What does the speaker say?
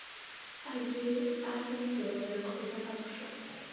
艾居埃丰德人口变化图示